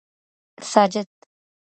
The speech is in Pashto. ساجد